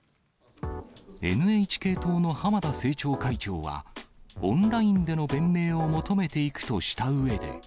ＮＨＫ党の浜田政調会長は、オンラインでの弁明を求めていくとしたうえで。